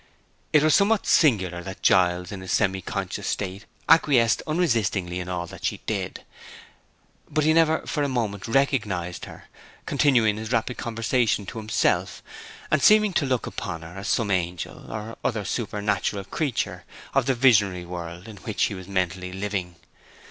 It was somewhat singular that Giles in his semi conscious state acquiesced unresistingly in all that she did. But he never for a moment recognized her—continuing his rapid conversation to himself, and seeming to look upon her as some angel, or other supernatural creature of the visionary world in which he was mentally living.